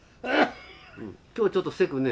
今日はちょっとせくね。